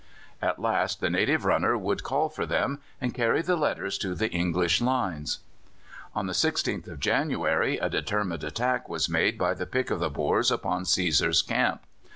At last the native runner would call for them and carry the letters to the English lines. On the 6th of January a determined attack was made by the pick of the Boers upon Cæsar's Camp.